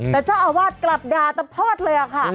แต่เจ้าอาวาสกลับด่าตะเพิดเลยค่ะ